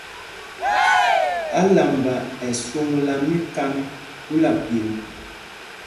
Álamba ɛ swɔŋla míkand phúla pyemb.